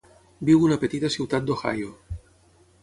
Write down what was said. Viu una petita ciutat d'Ohio.